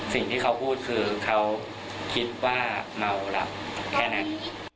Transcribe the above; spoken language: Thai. สิ่งที่เขาพูดคือเขาคิดว่าเมาหลับแค่นั้น